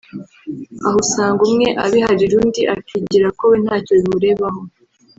aho usanga umwe abiharira undi akigira ko we ntacyo bimurebaho